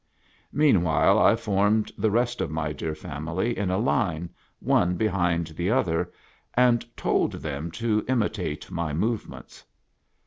Meanwhile I formed the rest of my dear family in a line, one behind the other, and told them to imitate my movements.